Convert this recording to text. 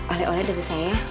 oleh oleh dari saya